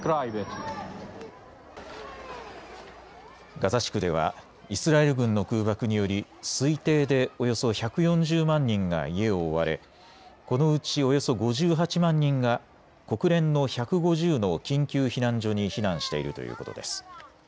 ガザ地区ではイスラエル軍の空爆により推定でおよそ１４０万人が家を追われこのうちおよそ５８万人が国連の１５０の緊急避難所に避難しているということです。